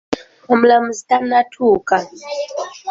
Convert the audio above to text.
Omulamuzi tannatuuka.